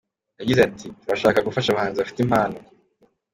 Yagize ati :”Turashaka gufasha abahanzi bafite impano”.